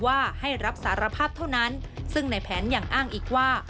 ให้รับสารภาพเท่านั้นซึ่งในแผนยังอ้างอีกว่า